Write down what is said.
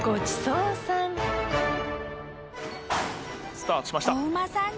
スタートしました。